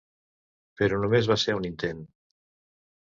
Però només va ser un intent.